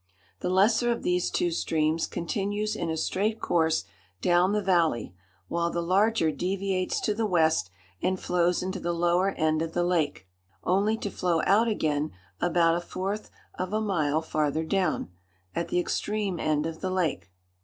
The lesser of these two streams continues in a straight course down the valley, while the larger deviates to the west and flows into the lower end of the lake, only to flow out again about a fourth of a mile farther down, at the extreme end of the lake.